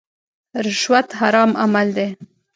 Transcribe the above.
رشوت حرام عمل دی.